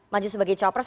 maju sebagai cowok pres